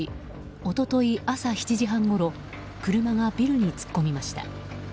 一昨日朝７時半ごろ車がビルに突っ込みました。